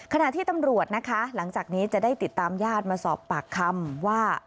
ขณะที่ตำรวจนะคะหลังจากนี้จะได้ติดตามญาติมาสอบปากคำว่า